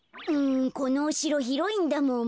このおしろひろいんだもん。